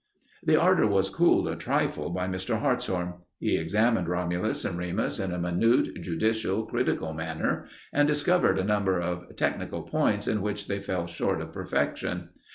The ardor was cooled a trifle by Mr. Hartshorn. He examined Romulus and Remus in a minute, judicial, critical manner, and discovered a number of technical points in which they fell short of perfection.